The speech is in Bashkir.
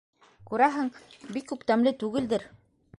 Күрәһең, бик үк тәмле түгелдер.